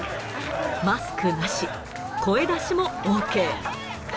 マスクなし、声出しもＯＫ。